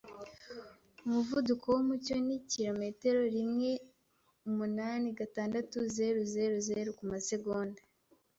Umuvuduko wumucyo ni kilometero rimweumunanigatandatu.zeruzeruzeru kumasegonda.